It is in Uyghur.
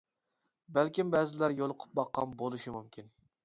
بەلكىم بەزىلەر يولۇقۇپ باققان بولۇشى مۇمكىن.